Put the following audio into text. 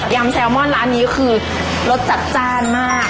แซลมอนร้านนี้ก็คือรสจัดจ้านมาก